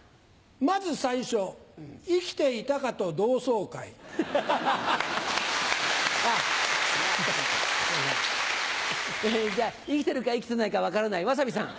先ず最初生きていたかと同窓会。じゃ生きてるか生きてないか分からないわさびさん。